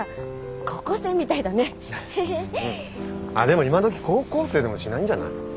でもいまどき高校生でもしないんじゃない。